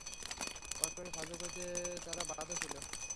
পরস্পরকে সাহায্য করতে তারা বাধ্য ছিল।